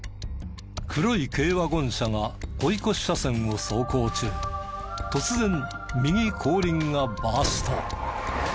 黒い軽ワゴン車が追い越し車線を走行中突然右後輪がバースト。